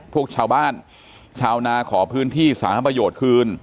พวกชาวบ้านชาวนาขอพื้นที่สาธารณประโยชน์คืน